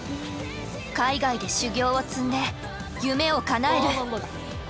海外で修業を積んで夢をかなえる！